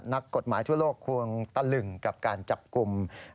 นักกฎหมายทั่วโลกควรตะลึงกับการจับกลุ่ม